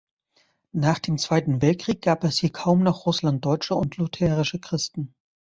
Nach dem Zweiten Weltkrieg gab es hier kaum noch Russlanddeutsche und lutherische Christen.